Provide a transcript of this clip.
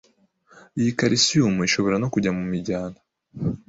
Iyi kalisiyumu ishobora no kujya mu mijyana